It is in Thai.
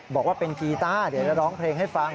บอกว่าเป็นกีต้าเดี๋ยวจะร้องเพลงให้ฟัง